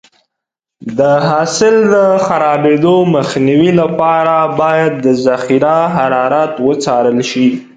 د حاصل د خرابېدو مخنیوي لپاره باید د ذخیره حرارت وڅارل شي.